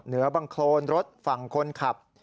เหนือบังโครนรถฝั่งคนขับ